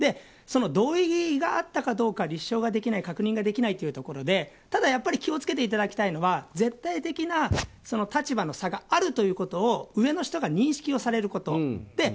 その同意があったかどうか立証ができない確認ができないというところでただやっぱり気を付けていただきたいのは絶対的な立場の差があるということを上の人が認識されること。